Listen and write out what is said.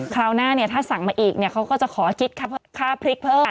คราวหน้าเนี่ยถ้าสั่งมาอีกเขาก็จะขอคิดค่าพริกเพิ่ม